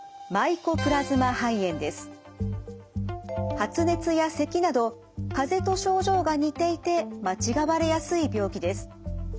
発熱やせきなどかぜと症状が似ていて間違われやすい病気です。